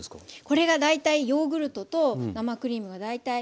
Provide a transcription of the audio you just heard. これが大体ヨーグルトと生クリームが大体えっと１：１。